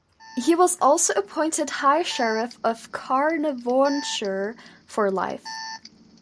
He was also appointed High Sheriff of Caernarvonshire for life.